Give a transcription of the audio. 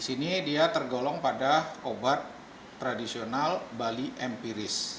di sini dia tergolong pada obat tradisional bali empiris